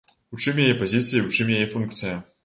У чым яе пазіцыя і ў чым яе функцыя.